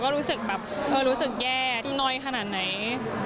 เราก็รู้สึกแย่น้อยขนาดไหน